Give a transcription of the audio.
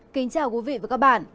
kính chào quý vị và các bạn